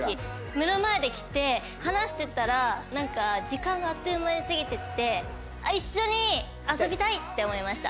目の前で来て話してたら時間があっという間に過ぎてって一緒に遊びたいって思いました。